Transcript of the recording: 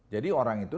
jadi orang itu